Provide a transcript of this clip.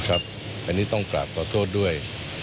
อันนี้ต้องกราบขอโทษด้วย